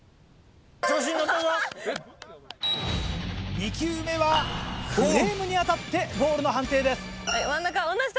２球目はフレームに当たってボールの判定です。